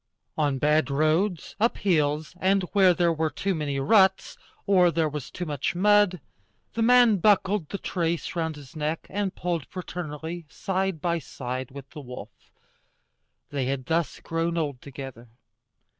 On bad roads, up hills, and where there were too many ruts, or there was too much mud, the man buckled the trace round his neck and pulled fraternally, side by side with the wolf. They had thus grown old together.